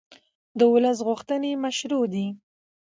د ولس غوښتنې مشروع دي